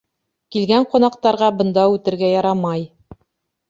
Килгән ҡунаҡтарға бында үтергә ярамай.